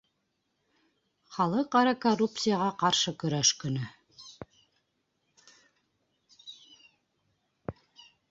— Халыҡ-ара коррупцияға ҡаршы көрәш көнө